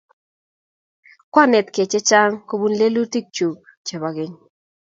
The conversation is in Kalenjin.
Kwanetkey chechang' kopun lelutik chuk chepo keny